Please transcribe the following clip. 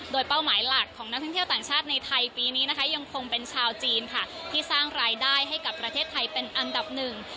โดยเป้าหมายหลักของนักท่องเที่ยวต่างชาติในไทยปีนี้นะคะยังคงเป็นชาวจีนค่ะที่สร้างรายได้ให้กับประเทศไทยเป็นอันดับหนึ่ง